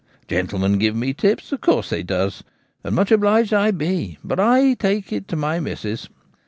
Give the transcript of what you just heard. Gentlemen give me tips — of course they does ; and much obliged I be ; but I takes it to my missus.